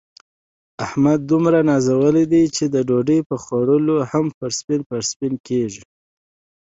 احمد دومره نازولی دی، چې د ډوډۍ په خوړلو هم پړسپن پړسپن کېږي.